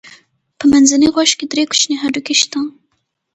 په منځني غوږ کې درې کوچني هډوکي شته.